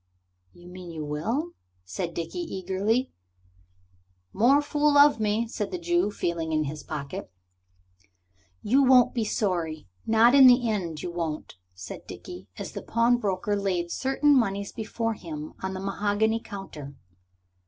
"You mean you will?" said Dickie eagerly. "More fool me," said the Jew, feeling in his pocket. "You won't be sorry; not in the end you won't," said Dickie, as the pawnbroker laid certain monies before him on the mahogany counter.